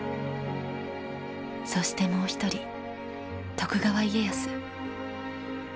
そしてもう一人徳川家康。